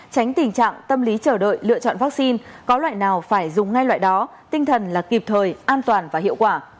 tránh tình trạng tâm lý chờ đợi lựa chọn vaccine có loại nào phải dùng ngay loại đó tinh thần là kịp thời an toàn và hiệu quả